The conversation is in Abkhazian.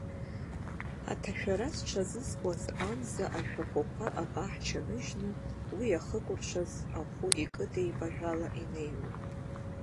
Аҭашәара зҽазызкуаз амза ашәахәақәа абаҳча ныжьны, уи иахыкәыршаз ахәы икыдеибаҳәала инеиуан.